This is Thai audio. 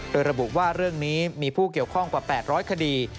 โดยระบุว่าเรื่องนี้มีผู้เกี่ยวข้องกว่า๘๐๐คดี